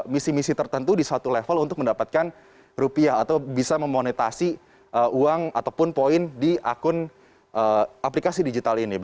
misi misi tertentu di satu level untuk mendapatkan rupiah atau bisa memonetasi uang ataupun poin di akun aplikasi digital ini